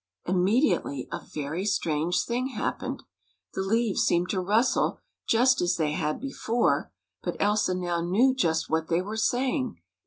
Immediately a very strange thing happened. The leaves seemed to rustle just as they had before, but Elsa now knew just what they were saying.